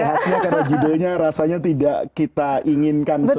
ini tidak sehatnya karena judulnya rasanya tidak kita inginkan semua